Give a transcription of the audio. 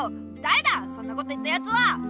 だれだそんなこと言ったやつは！